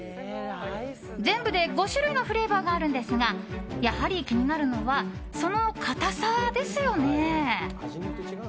全部で５種類のフレーバーがあるんですがやはり気になるのはその硬さですよね。